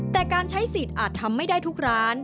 แต่การใช้สิทธิ์อาจทำไม่ได้ทุกร้าน